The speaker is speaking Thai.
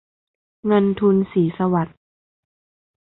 เงินทุน ศรีสวัสดิ์